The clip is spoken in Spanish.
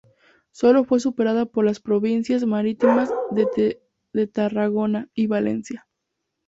Sólo fue superada por las provincias marítimas de Tarragona y Valencia.